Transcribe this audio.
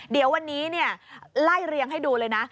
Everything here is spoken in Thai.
เดี๋ยววันนี้ไล่เรียงให้ดูเลยนะ